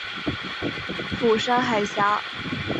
釜山海峡。